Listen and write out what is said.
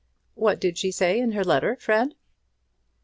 What did she say in her letter, Fred?"